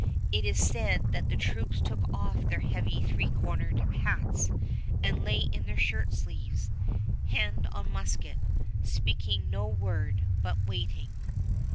It is said that the troops took off their heavy three cornered hats and lay in their shirt sleeves, hand on musket, speaking no word, but waiting.